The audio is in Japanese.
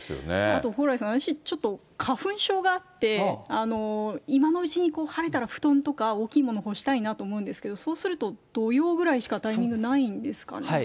あと蓬莱さん、私ちょっと花粉症があって、今のうちに晴れたら布団とか大きいもの干したいなと思うんですけれども、そうすると、土曜ぐらいしかタイミングないんですかね。